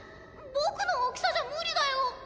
僕の大きさじゃ無理だよ。